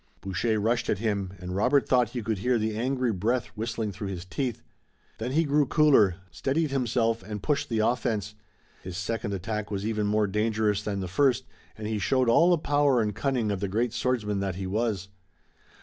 Boucher rushed at him, and Robert thought he could hear the angry breath whistling through his teeth. Then he grew cooler, steadied himself and pushed the offense. His second attack was even more dangerous than the first, and he showed all the power and cunning of the great swordsman that he was.